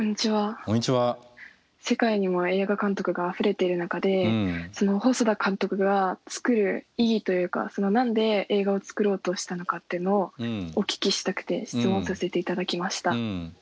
世界にも映画監督があふれている中で細田監督が作る意義というか何で映画を作ろうとしたのかっていうのをお聞きしたくて質問させて頂きました。